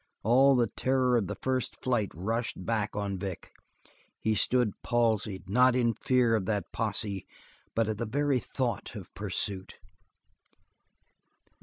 All the terror of the first flight rushed back on Vic. He stood palsied, not in fear of that posse but at the very thought of pursuit.